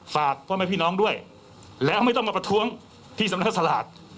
ฝากพ่อแม่พี่น้องด้วยแล้วไม่ต้องมาประท้วงที่สำนักสลาก